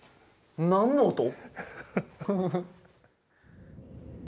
何の音？